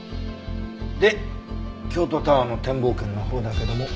で京都タワーの展望券のほうだけども。